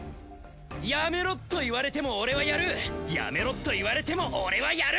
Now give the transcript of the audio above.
やめろっと言われても俺はやるやめろっと言われても俺はやる。